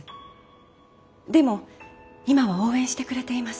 でも今は応援してくれています。